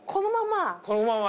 このまま？